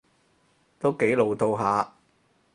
都幾老套吓